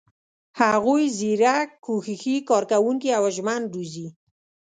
هغوی زیرک، کوښښي، کارکوونکي او ژمن روزي.